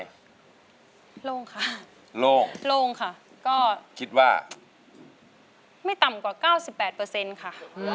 โล่งค่ะโล่งโล่งค่ะก็คิดว่าไม่ต่ำกว่าเก้าสิบแปดเปอร์เซ็นต์ค่ะ